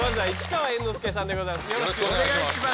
よろしくお願いします。